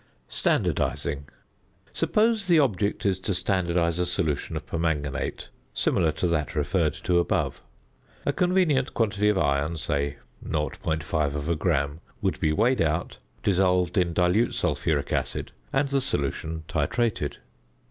~Standardising.~ Suppose the object is to standardise a solution of permanganate similar to that referred to above. A convenient quantity of iron (say 0.5 gram) would be weighed out, dissolved in dilute sulphuric acid, and the solution titrated.